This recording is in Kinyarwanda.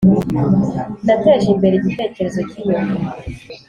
nateje imbere igitekerezo cyinyoni